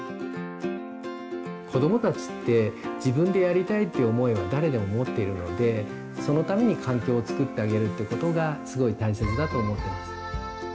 子どもたちって「自分で」やりたいっていう思いは誰でも持っているのでそのために環境を作ってあげるってことがすごい大切だと思ってます。